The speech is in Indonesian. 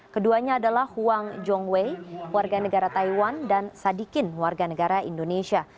keduanya adalah huang jong wei warga negara taiwan dan sadikin warga negara indonesia